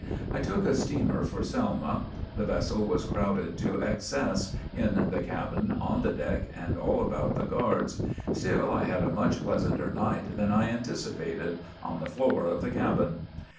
I took a steamer for Selma. The vessel was crowded to excess in the cabin, on the deck and all about the guards. Still I had a much pleasanter night than I anticipated on the floor of the cabin.